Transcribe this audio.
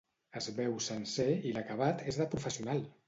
Es veu sencer i l'acabat és de professional!